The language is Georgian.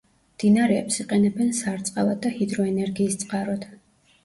მდინარეებს იყენებენ სარწყავად და ჰიდროენერგიის წყაროდ.